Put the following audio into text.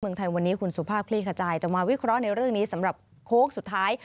ไทยวันนี้คุณสุภาพคลี่ขจายจะมาวิเคราะห์ในเรื่องนี้สำหรับโค้งสุดท้าย